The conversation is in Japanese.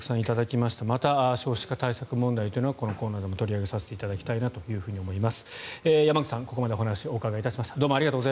また少子化対策問題というのはこのコーナーでも取り上げさせていただきたいなと思います。